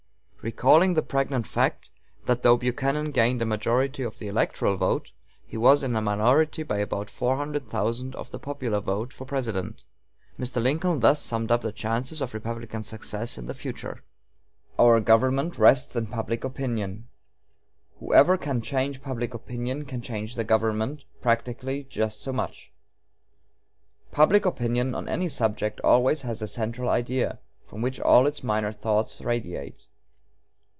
Recalling the pregnant fact that though Buchanan gained a majority of the electoral vote, he was in a minority of about four hundred thousand of the popular vote for President, Mr. Lincoln thus summed up the chances of Republican success in the future: "Our government rests in public opinion. Whoever can change public opinion, can change the government, practically, just so much. Public opinion on any subject always has a 'central idea,' from which all its minor thoughts radiate.